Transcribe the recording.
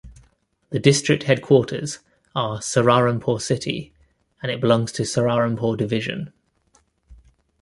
The district headquarters are Saharanpur city and it belongs to Saharanpur Division.